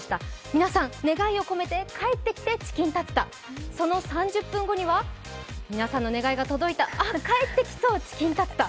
皆さん願いを込めて「帰ってきてチキンタツタ」その３０分後には、皆さんの願いが届いた、あっ、「帰ってきそうチキンタツタ」。